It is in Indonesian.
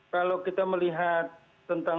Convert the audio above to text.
kalau kita melihat tentang